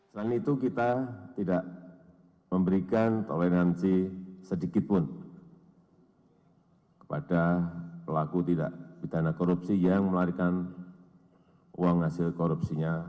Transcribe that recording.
selain itu kita tidak memberikan toleransi sedikitpun kepada pelaku tidak pidana korupsi yang melarikan uang hasil korupsinya